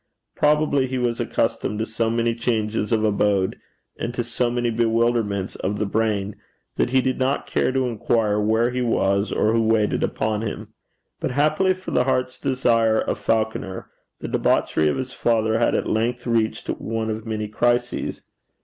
Probably he was accustomed to so many changes of abode, and to so many bewilderments of the brain, that he did not care to inquire where he was or who waited upon him. But happily for the heart's desire of Falconer, the debauchery of his father had at length reached one of many crises.